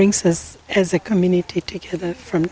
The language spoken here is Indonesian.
ini membawa kita sebagai komunitas bersama